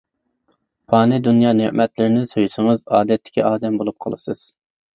پانىي دۇنيا نېمەتلىرىنى سۆيسىڭىز، ئادەتتىكى ئادەم بولۇپ قالىسىز.